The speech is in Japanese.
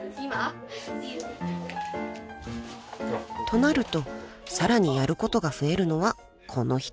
［となるとさらにやることが増えるのはこの人］